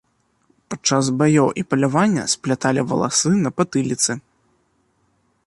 Падчас баёў і палявання спляталі валасы на патыліцы.